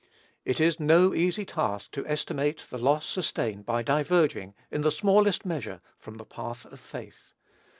It is no easy task to estimate the loss sustained by diverging, in the smallest measure, from the path of faith.